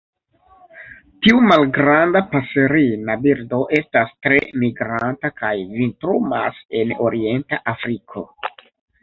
Tiu malgranda paserina birdo estas tre migranta kaj vintrumas en orienta Afriko.